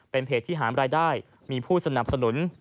เป็นเพจที่หามรายได้มีผู้สนับสนุน